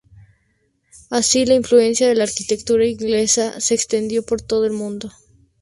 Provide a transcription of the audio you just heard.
Así, la influencia de la arquitectura Inglesa se extendió por todo el mundo.